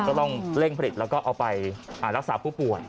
ก็ต้องเร่งผลิตแล้วก็เอาไปรักษาผู้ป่วย